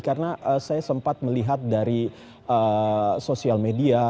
karena saya sempat melihat dari sosial media